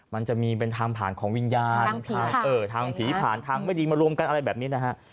มันจะมีเป็นทางผ่านของวิญญาณทางผีผ่านทางไม่ดีมารวมกันอะไรแบบนี้นะฮะ